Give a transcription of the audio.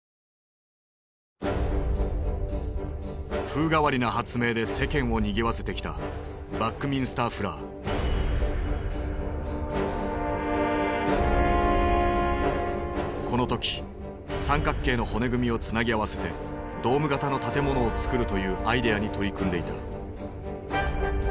風変わりな発明で世間をにぎわせてきたこの時三角形の骨組みをつなぎ合わせてドーム型の建物をつくるというアイデアに取り組んでいた。